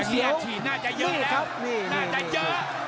อย่างงี้อันทีนน่าจะเยอะแล้วน่าจะเยอะ